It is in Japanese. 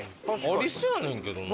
ありそうやねんけどな。